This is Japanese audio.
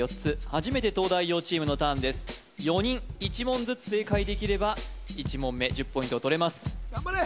初めて東大王チームのターンです４人１問ずつ正解できれば１問目１０ポイントをとれます頑張れ！